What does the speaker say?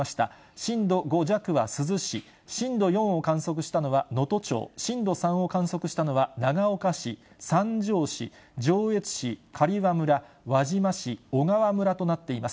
震度５弱は珠洲市、震度４を観測したのは能登町、震度３を観測したのは長岡市、三条市、上越市、刈羽村、輪島市、小川村となっています。